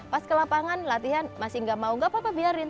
pas ke lapangan latihan masih gak mau gak apa apa biarin